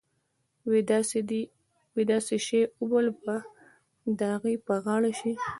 وې دې سي وبال به د اغې په غاړه شي.